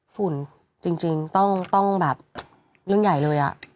ฝุ่นจริงต้องแบบเรื่องใหญ่เลย